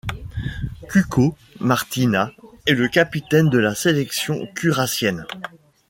Cuco Martina est le capitaine de la sélection curaçienne.